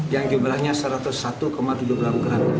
yang jumlahnya satu ratus satu tujuh puluh enam gram